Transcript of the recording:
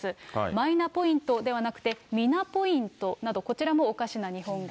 マイナポイントではなくて、ミナポイントなど、こちらもおかしな日本語。